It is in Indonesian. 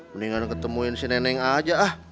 mendingan ketemuin si neneng a aja ah